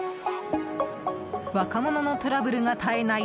若者のトラブルが絶えない